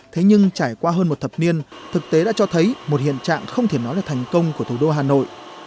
thế nhưng trải qua hơn một thập niên thực tế đã cho thấy một hiện trạng không thể nói là thành công của thủ đô hà nội